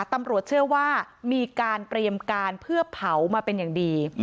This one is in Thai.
ตำรวจเชื่อว่ามีการเตรียมการเพื่อเผามาเป็นอย่างดี